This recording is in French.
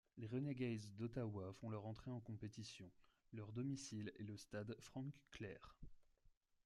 Les Renegades d'Ottawa font leur entrée en compétition; leur domicile est le stade Frank-Clair.